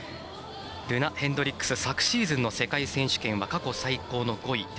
ルナ・ヘンドリックス昨シーズンの世界選手権は過去最高の５位。